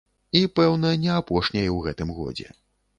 І, пэўна, не апошняй у гэтым годзе.